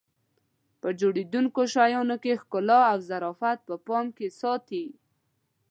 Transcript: په جوړېدونکو شیانو کې ښکلا او ظرافت په پام کې ساتي.